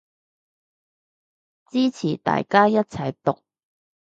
支持大家一齊毒